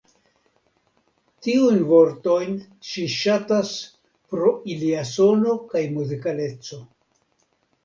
Tiujn vortojn ŝi ŝatas pro ilia sono kaj muzikaleco.